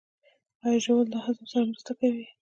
ایا ژوول د هضم سره مرسته کوي؟